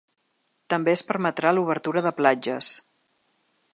També es permetrà l’obertura de platges.